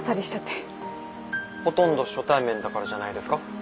ほとんど初対面だからじゃないですか？